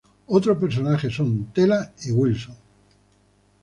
Otros personajes son Tela y Wilson.